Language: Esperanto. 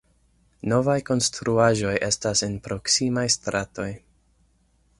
Novaj konstruaĵoj estas en proksimaj stratoj.